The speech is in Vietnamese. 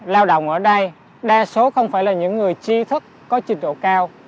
lao động ở đây đa số không phải là những người chi thức có trình độ cao